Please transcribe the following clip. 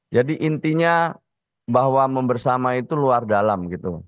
jadi intinya bahwa membersamai itu luar dalam